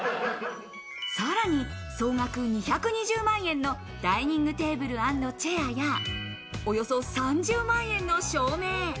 さらに総額２２０万円のダイニングテーブル＆チェアや、およそ３０万円の照明。